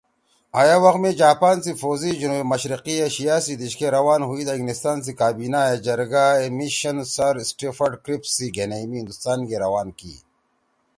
آں اے وَخ می جاپان سی پھوزی )فوجی( جنوب مشرقی ایشیاء سی دیِشکے روان ہُوئی دا انگلستانی کابینا اے جرگہ )مِشن( سر سٹیفورڈ کرِپس (Sir Stafford Cripps) سی گھینیئی می ہندوستان گے روان کی